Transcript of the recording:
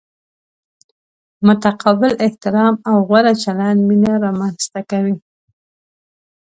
متقابل احترام او غوره چلند مینه را منځ ته کوي.